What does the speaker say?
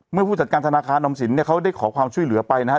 เมื่อผู้จัดการธนาคารออมสินเขาได้ขอความช่วยเหลือไปนะครับ